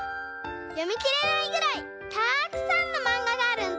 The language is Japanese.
よみきれないぐらいたくさんのまんががあるんだ」。